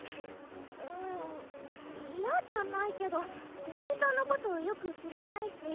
うーん嫌じゃないけど店員さんのことよく知らないし。